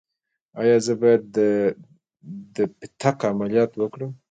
ایا زه باید د فتق عملیات وکړم؟